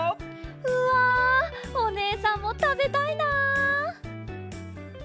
うわおねえさんもたべたいな！